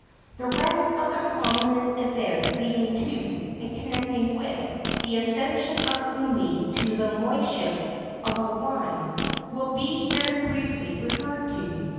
The rest of the prominent events leading to, and connected with, the accession of Umi to the moiship of Hawaii, will be very briefly referred to.